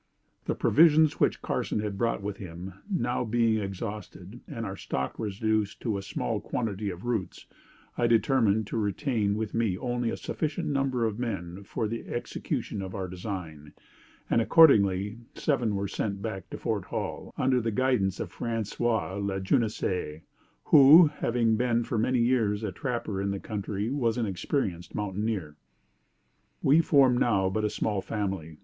"'The provisions which Carson had brought with him being now exhausted, and our stock reduced to a small quantity of roots, I determined to retain with me only a sufficient number of men for the execution of our design; and accordingly seven were sent back to Fort Hall, under the guidance of François Lajeunesse, who, having been for many years a trapper in the country, was an experienced mountaineer. "'We formed now but a small family.